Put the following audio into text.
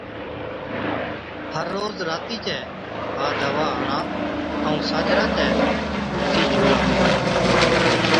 هر روز راتِي چَي ها دَوا هڻا ائُون ساجھرا چَي اُوٺتِي جھُولا۔